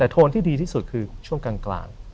โทนที่สุดคือช่วงกลาง